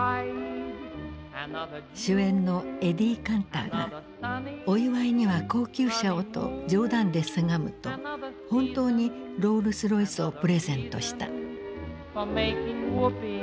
主演のエディ・カンターが「お祝いには高級車を」と冗談でせがむと本当にロールスロイスをプレゼントした。